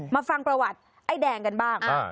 ฟังประวัติไอ้แดงกันบ้าง